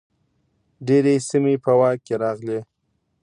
ډیرې سیمې په واک کې راغلې.